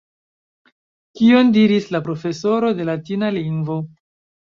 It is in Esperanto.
Kion diris la profesoro de latina lingvo?